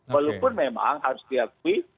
walaupun memang harus diakui